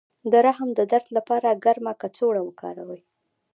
د رحم د درد لپاره ګرمه کڅوړه وکاروئ